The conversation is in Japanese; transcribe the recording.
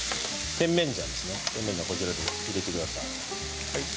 甜麺醤こちらに入れてください。